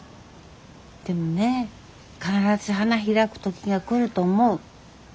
でもね必ず花開く時が来ると思う。